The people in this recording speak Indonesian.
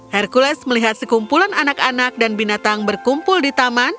hercules melihat sekumpulan anak anak dan binatang berkumpul di taman